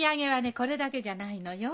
これだけじゃないのよ。